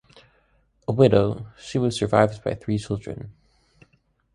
A widow, she was survived by three children.